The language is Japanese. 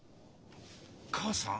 母さん？